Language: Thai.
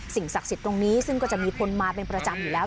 ศักดิ์สิทธิ์ตรงนี้ซึ่งก็จะมีคนมาเป็นประจำอยู่แล้ว